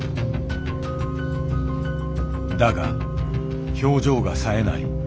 だが表情がさえない。